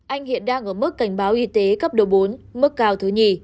anh hiện đang ở mức cảnh báo y tế cấp độ bốn mức cao thứ nhì